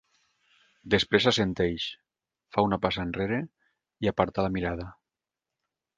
Després assenteix, fa una passa enrere i aparta la mirada.